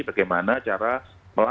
bagaimana cara melakukan